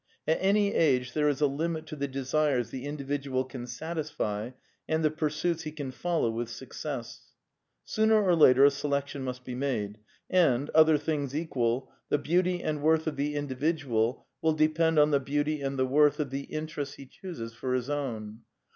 At any age there is a limit to the desires the indi vidual can satisfy and the pursuits he can follow with success. Sooner or later a selection must be made ; and, other things equal, the beauty and worth of the individual PAN PSYCHISM OF SAMUEL BUTLER ^ will depend on the beauty and the worth of the interests he chooses for his own.